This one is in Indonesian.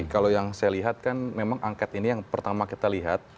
kalau yang saya lihat kan memang angket ini yang pertama kita lihat